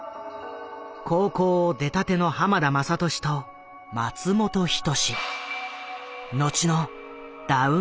高校を出たての浜田雅功と松本人志。